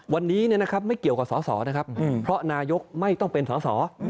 วันนี้ไม่เกี่ยวกับสอสอนะครับเพราะนายกไม่ต้องเป็นสอสอ